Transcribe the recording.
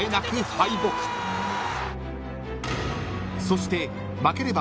［そして］